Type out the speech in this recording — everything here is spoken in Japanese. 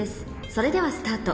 それではスタート